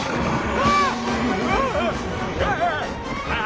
ああ。